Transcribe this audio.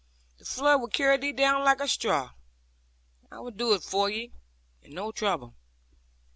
The flood will carry thee down like a straw. I will do it for thee, and no trouble.'